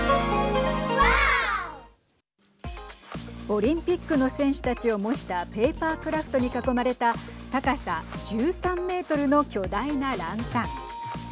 オリンピックの選手たちを模したペーパークラフトに囲まれた高さ１３メートルの巨大なランタン。